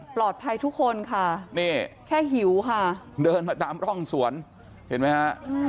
ปลอดภัยทุกคนค่ะแค่หิวค่ะเดินมาตามร่องสวนเห็นไหมครับ